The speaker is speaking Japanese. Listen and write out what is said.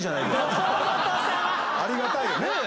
ありがたいよね。